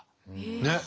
ねっ。